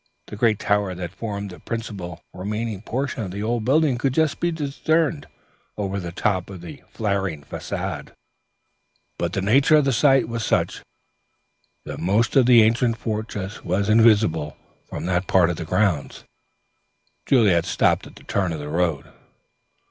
The great tower that formed the principal remaining portion of the old building could just be discerned over the top of the flaring façade, but the nature of the site was such that most of the ancient fortress was invisible from that part of the grounds. Juliet stopped at the turn of the road.